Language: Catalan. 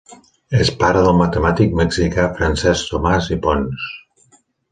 És pare del matemàtic mexicà Francesc Tomàs i Pons.